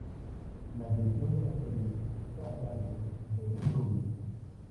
La edición de la serie está a cargo de Ben Drury.